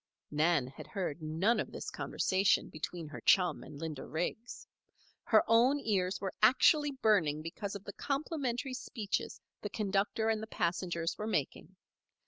Nan had heard none of this conversation between her chum and Linda Riggs. Her own ears were actually burning because of the complimentary speeches the conductor and the passengers were making.